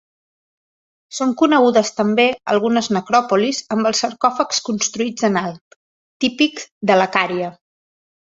Són conegudes també algunes necròpolis amb els sarcòfags construïts en alt, típics de la Cària.